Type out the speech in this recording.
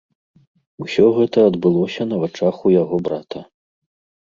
Усё гэта адбылося на вачах у яго брата.